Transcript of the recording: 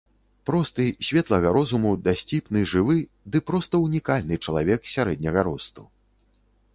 Просты, светлага розуму, дасціпны, жывы, ды проста унікальны чалавек сярэдняга росту.